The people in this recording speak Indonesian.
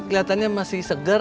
keliatannya masih seger